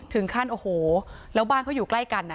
ถึงขั้นโอ้โหแล้วบ้านเขาอยู่ใกล้กัน